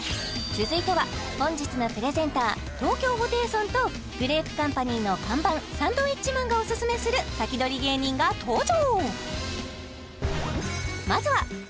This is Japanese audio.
続いては本日のプレゼンター東京ホテイソンとグレープカンパニーの看板サンドウィッチマンがおすすめするサキドリ芸人が登場